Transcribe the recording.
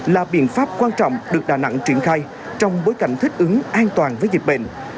là biện pháp quan trọng được đà nẵng triển khai trong bối cảnh thích ứng an toàn với dịch bệnh